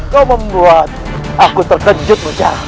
kau membuat aku terkejut misalnya